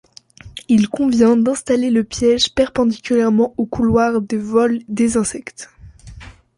Il convient d'installer le piège perpendiculairement aux couloirs de vols des insectes.